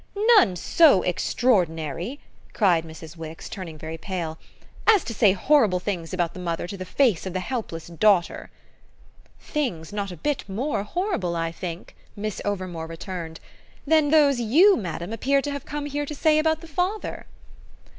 "None so extraordinary," cried Mrs. Wix, turning very pale, "as to say horrible things about the mother to the face of the helpless daughter!" "Things not a bit more horrible, I think," Miss Overmore returned, "than those you, madam, appear to have come here to say about the father!"